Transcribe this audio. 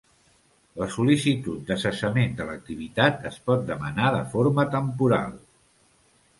La sol·licitud de cessament de l'activitat es pot demanar de forma temporal.